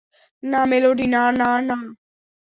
না, মেলোডি, না, না, না।